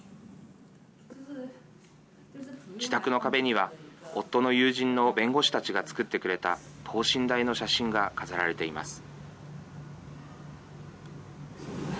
自宅の壁には夫の友人の弁護士たちが作ってくれた等身大の写真が飾られています。